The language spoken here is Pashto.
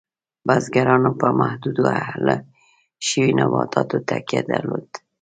بزګرانو په محدودو اهلي شویو نباتاتو تکیه درلود.